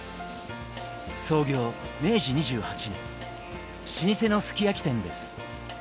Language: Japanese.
創業明治２８年老舗のすき焼き店です。